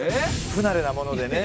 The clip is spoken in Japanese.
不慣れなものでね。